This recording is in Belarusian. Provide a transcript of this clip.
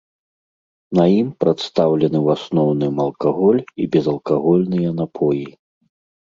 На ім прадстаўлены ў асноўным алкаголь і безалкагольныя напоі.